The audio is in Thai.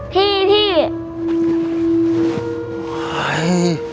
พี่พี่